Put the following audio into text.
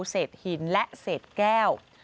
เศษหินและเศษแก้ว